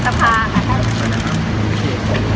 แค่กับตะพาค่ะ